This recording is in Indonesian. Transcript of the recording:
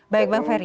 baik bang ferry